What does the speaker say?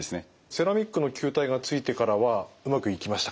セラミックの球体がついてからはうまくいきましたか？